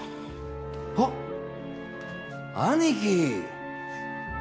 あっ兄貴！